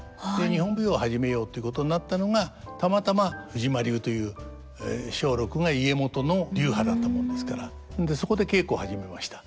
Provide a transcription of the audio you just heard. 日本舞踊を始めようということになったのがたまたま藤間流という松緑が家元の流派だったもんですからそこで稽古を始めました。